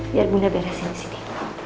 biar bunda biarkan sini